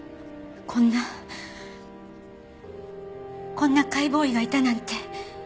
こんなこんな解剖医がいたなんて。